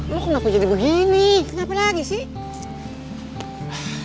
loh kenapa jadi begini kenapa lagi sih